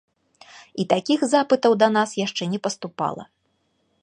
І такіх запытаў да нас яшчэ не паступала.